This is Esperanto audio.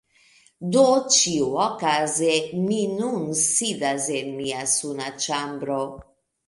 Do ĉiuokaze mi nun sidas en mia suna ĉambro.